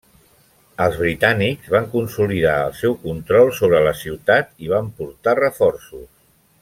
Els britànics van consolidar el seu control sobre la ciutat i van portar reforços.